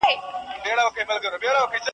او د غره لمن له لیری ورښکاره سول .